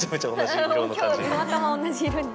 今日たまたま同じ色に。